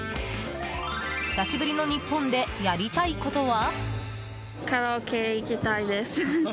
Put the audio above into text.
久しぶりの日本でやりたいことは。